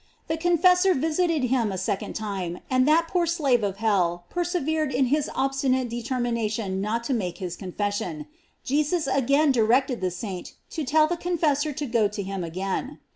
The confessor visited him a second time, and that poor slave of hell persevered in his obstinate determination not to make his confession. Jesus again directed the saint to tell the confessor to go to him again.